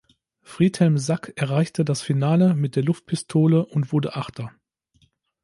Friedhelm Sack erreichte das Finale mit der Luftpistole und wurde Achter.